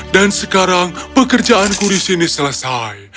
dan sekarang pekerjaanku di sini selesai